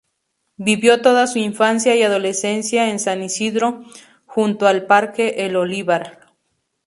Vivió toda su infancia y adolescencia en San Isidro, junto al parque El Olivar.